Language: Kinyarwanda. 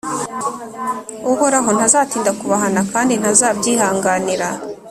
Uhoraho ntazatinda kubahana kandi ntazabihanganira